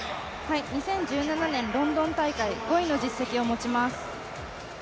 ２０１７年ロンドン大会５位の実績を持ちます。